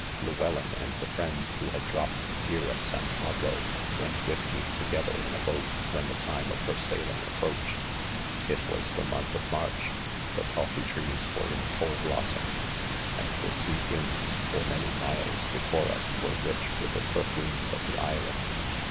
■ Llewellyn and the friend 'THE CONFESSIONS. 71 who had dropped a tear at $073: Pablo r . went with me together in a boat: when the time of her 'sailing •approached. It was the month of March, the coffee trees were in full blossom, and the sea winds for many miles before Us, were rich with the perfumes of the island.